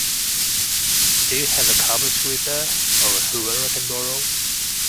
Do you have a carpet sweeper or a Hoover I can borrow?